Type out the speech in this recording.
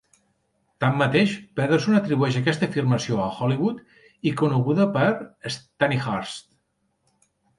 Tanmateix, Pederson atribueix aquesta afirmació a Holywood i coneguda per Stanihurst.